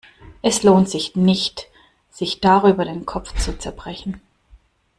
Es lohnt sich nicht, sich darüber den Kopf zu zerbrechen.